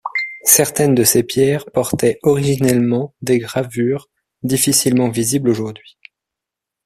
Certaines de ces pierres portaient originellement des gravures, difficilement visibles aujourd'hui.